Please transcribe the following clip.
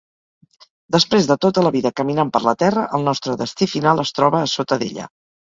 Després de tota la vida caminant per la terra, el nostre destí final es troba a sota d'ella.